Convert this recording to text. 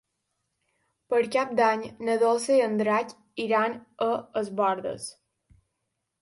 Per Cap d'Any na Dolça i en Drac iran a Es Bòrdes.